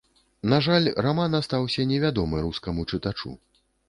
На жаль, раман астаўся невядомы рускаму чытачу.